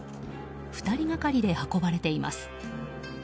２人がかりで運ばれています。